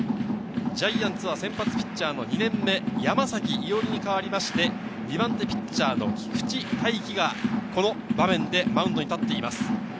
ジャイアンツ先発の２年目・山崎伊織に代わりまして、２番手ピッチャー・菊地大稀がこの場面でマウンドに立っています。